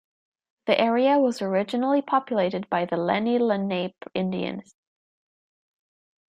The area was originally populated by the Lenni Lenape Indians.